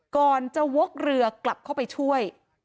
ก่อนจะวกเรือกลับเข้าไปช่วย